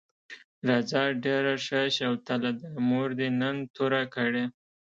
راځه ډېره ښه شوتله ده، مور دې نن توره کړې.